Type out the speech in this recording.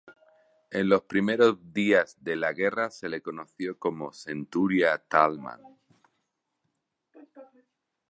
En los primeros días de la guerra se le conoció como "Centuria Thälmann".